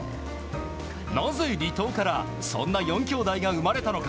なぜ離島からそんな４きょうだいが生まれたのか。